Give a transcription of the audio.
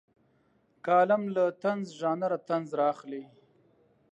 کالم له طنز ژانره طنز رااخلي.